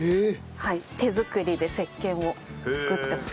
手作りで石けんを作ってます。